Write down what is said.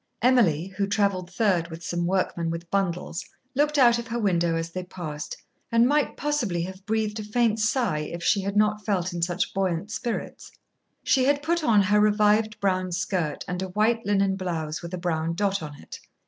Emily, who traveled third with some workmen with bundles, looked out of her window as they passed, and might possibly have breathed a faint sigh if she had not felt in such buoyant spirits. She had put on her revived brown skirt and a white linen blouse with a brown dot on it.